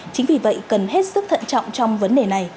chính vì vậy cần hết sức thận trọng trong vấn đề này